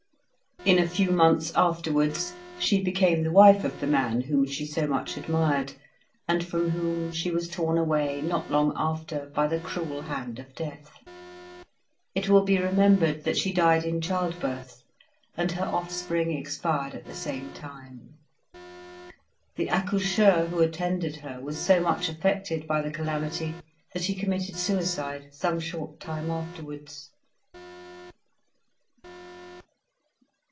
In a few months afterwards she became the wife of the man whom she so much admired, and from whom she was torn away not long after by the cruel hand of death. It will be remembered that she died in childbirth, and her offspring expired at the same time. The accoucheur who attended her was so much affected by the calamity, that he committed suicide some short time afterwards.